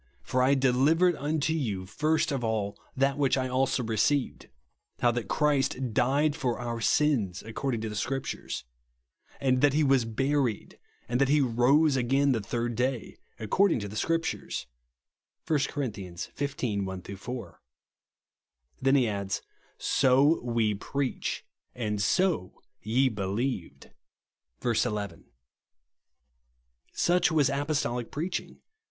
For I delivered unto you first of all that which I also received, how that Christ died for our sins according to the Scriptures ; and that lie ivas buried, and that he rose again the third day according to the Scrip tures," (1 Cor. XV. 1 4.) Then he adds :" So WE PREACH, AND SO YE BELIEVED," (verse 11.) Such was apostolic preaching.